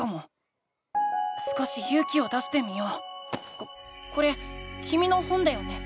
ここれきみの本だよね？